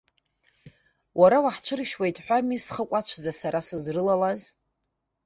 Уара уаҳцәыршьуеит ҳәа ами, схы қәацәӡа сара сызрылалаз.